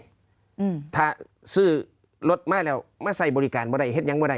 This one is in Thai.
อืมถ้าซื้อรถมาแล้วมาใส่บริการไม่ได้เห็ดยังไม่ได้